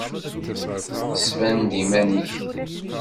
Sban-d iman-ik!